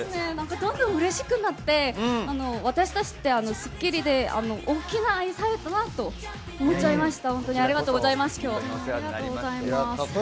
どんどんうれしくなって、私たちって『スッキリ』で愛されてたなって思っちゃいました。